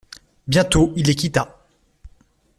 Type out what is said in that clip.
Bientôt il les quitta.